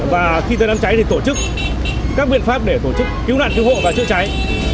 và khi tới đám cháy thì tổ chức các biện pháp để tổ chức cứu nạn cứu hộ và chữa cháy